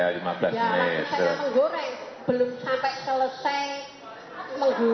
sebelum mereka keluar sudah digoreng dulu